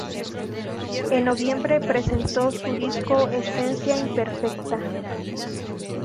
En noviembre presentó su disco Esencia imperfecta.